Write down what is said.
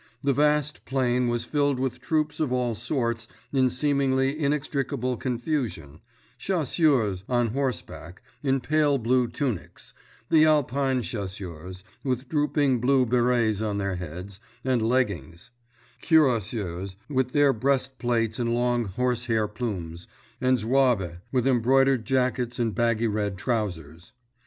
The vast plain was filled with troops of all sorts in seemingly inextricable confusion: chasseurs, on horseback, in pale blue tunics, the Alpine chasseurs, with drooping blue berets on their heads, and leggings; cuirassiers with their breastplates and long horsehair plumes, and zouaves with embroidered jackets and baggy red trousers.